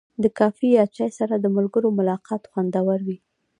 د کافي یا چای سره د ملګرو ملاقات خوندور وي.